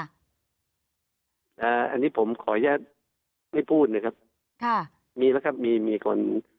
อันนี้ผมขออนุญาตไม่พูดนะครับค่ะมีแล้วครับมีมีคน